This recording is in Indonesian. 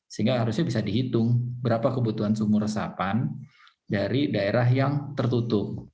sehingga harusnya bisa dihitung berapa kebutuhan sumur resapan dari daerah yang tertutup